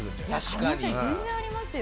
可能性全然ありますよ。